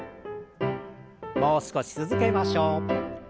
もう少し続けましょう。